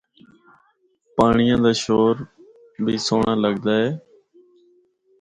پانڑیا دا شور بھی سہنڑا لگدا اے۔